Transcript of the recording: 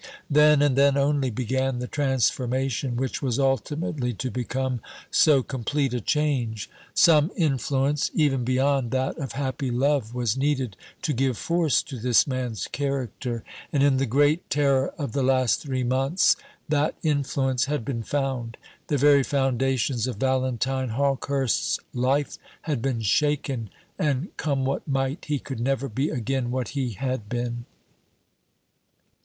Then, and then only, began the transformation which was ultimately to become so complete a change. Some influence, even beyond that of happy love, was needed to give force to this man's character; and in the great terror of the last three months that influence had been found. The very foundations of Valentine Hawkehurst's life had been shaken, and, come what might, he could never be again what he had been.